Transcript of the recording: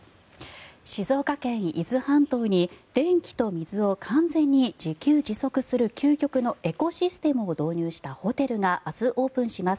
静岡県・伊豆半島に電気と水を完全に自給自足するエコシステムを完備したホテルが明日、オープンします。